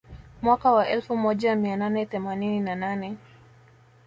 Mwaka wa elfu moja mia nane themanini na nane